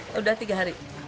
sudah tiga hari